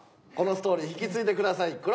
このストーリー引き継いでください。